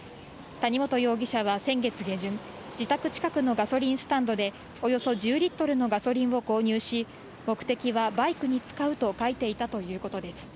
谷本容疑者は先月下旬、自宅近くのガソリンスタンドで、およそ１０リットルのガソリンを購入し、目的はバイクに使うと書いていたということです。